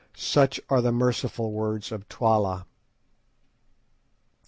Such are the merciful words of Twala."